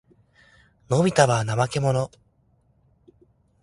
のびたは怠けもの。